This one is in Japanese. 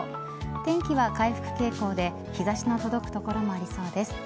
天気は回復傾向で日差しの届く所がありそうです。